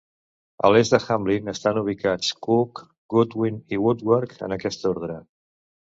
A l'est de Hamlin, estan ubicats, Cook, Goodwin i Woodward, en aquest ordre.